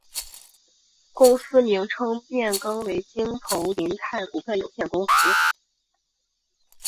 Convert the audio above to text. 公司名称变更为京投银泰股份有限公司。